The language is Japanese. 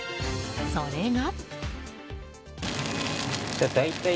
それが。